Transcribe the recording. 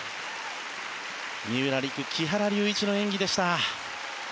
三浦璃来・木原龍一の演技でした。